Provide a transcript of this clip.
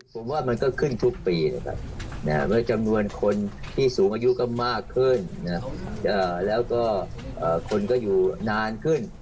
ผมว่ามันก็ขึ้นทุกปีนะครับแล้วจำนวนคนที่สูงอายุก็มากขึ้นแล้วก็คนก็อยู่นานขึ้น